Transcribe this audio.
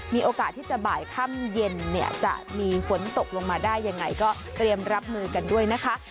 มีโอกาสที่จะบ่ายค่ำเย็นเนี่ยจะมีฝนตกลงมาได้ยังไงก็เตรียมรับมือกันด้วยนะคะ